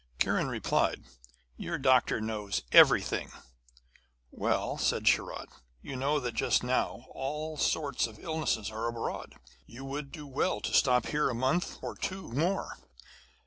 Kiran replied: 'Your doctor knows everything!' 'Well,' said Sharat, 'you know that just now all sorts of illness are abroad. You would do well to stop here a month or two more.'